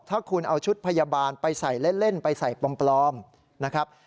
ถ้าคุณเอาชุดพยาบาลไปใส่เล่นไปใส่ปลอมนะครับ